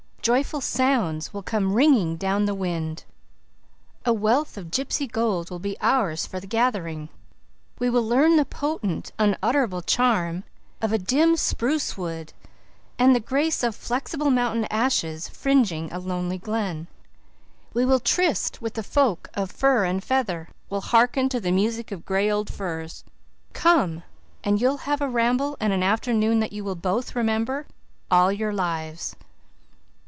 Joyful sounds will 'come ringing down the wind;' a wealth of gypsy gold will be ours for the gathering; we will learn the potent, unutterable charm of a dim spruce wood and the grace of flexile mountain ashes fringing a lonely glen; we will tryst with the folk of fur and feather; we'll hearken to the music of gray old firs. Come, and you'll have a ramble and an afternoon that you will both remember all your lives."